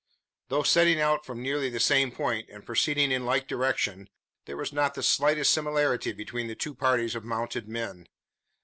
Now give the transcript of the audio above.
Though setting out from nearly the same point, and proceeding in a like direction, there was not the slightest similarity between the two parties of mounted men.